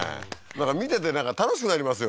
見ててなんか楽しくなりますよね